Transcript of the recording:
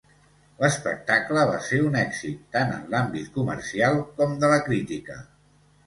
L'espectacle va ser un èxit, tant en l'àmbit comercial com de la crítica.